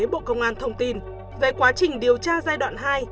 bộ công an thông tin về quá trình điều tra giai đoạn hai